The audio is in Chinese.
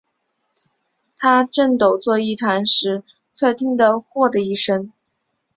他正抖作一团时，却听得豁的一声